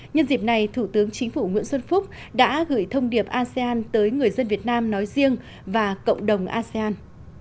nhân dịp này thủ tướng chính phủ nguyễn xuân phúc đã gửi thông điệp asean tới người dân việt nam nói riêng và cộng đồng asean